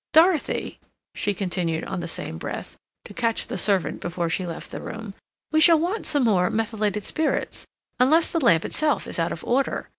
Dorothy," she continued on the same breath, to catch the servant before she left the room, "we shall want some more methylated spirits—unless the lamp itself is out of order.